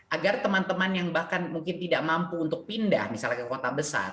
agar teman teman yang bahkan mungkin tidak mampu untuk pindah misalnya ke kota besar